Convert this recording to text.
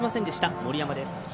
森山です。